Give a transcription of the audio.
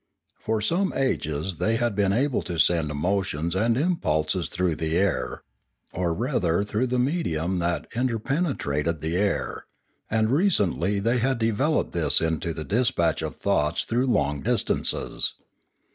For some ages they had been able to send emotions and impulses through the air, or rather through the medium that interpenetrated the air, and recently they had developed this into the de spatch of thoughts through long distances.